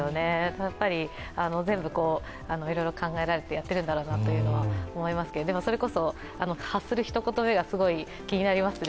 全部いろいろ考えられてやっているんだろうなと思いますが、それこそ発するひと言目がすごい気になりますね。